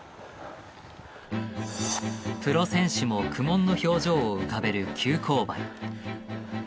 プロ選手も苦もんの表情を浮かべる急勾配。